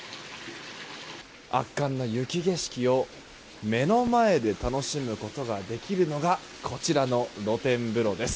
圧巻の雪景色を目の前で楽しむことができるのがこちらの露天風呂です。